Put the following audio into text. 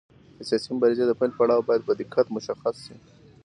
د سیاسي مبارزې د پیل پړاو باید په دقت مشخص شي.